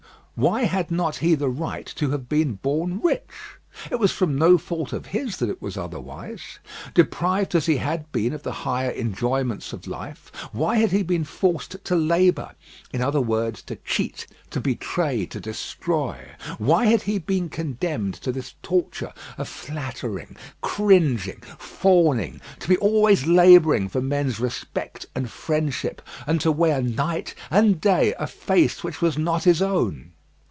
Why had not he the right to have been born rich? It was from no fault of his that it was otherwise. Deprived as he had been of the higher enjoyments of life, why had he been forced to labour in other words, to cheat, to betray, to destroy? Why had he been condemned to this torture of flattering, cringing, fawning; to be always labouring for men's respect and friendship, and to wear night and day a face which was not his own?